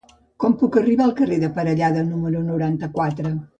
Com puc arribar al carrer de Parellada número noranta-quatre?